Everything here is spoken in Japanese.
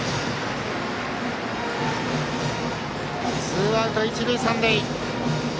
ツーアウト、一塁三塁。